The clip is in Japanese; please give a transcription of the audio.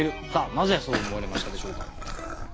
なぜそう思われましたでしょうか？